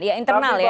iya internal ya